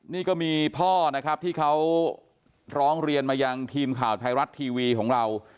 นี่ก็มีพ่อนะครับที่เขาร้องเรียนมายังทีมข่าวไทยรัฐทีวีของเรา